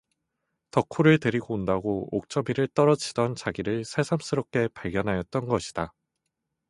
덕호를 데리고 온다고 옥점이를 떨어치던 자기를 새삼스럽게 발견하였던 것이다.